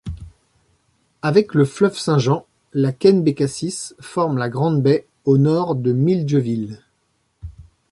Avec le fleuve Saint-Jean, la Kennebecasis forme la Grande Baie, au nord de Milledgeville.